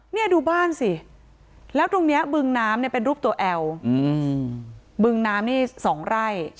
นี่ดูบ้านสิแล้วตรงนี้บึงน้ำเนี่ยเป็นรูปตัวแอลบึงน้ำนี่๒ไร่